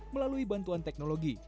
melalui bantuan teknologi